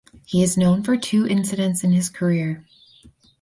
He is known for two incidents in his career.